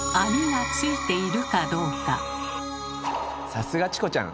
さすがチコちゃん！